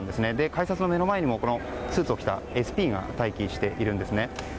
改札の目の前にもスーツを着たＳＰが待機しているんです。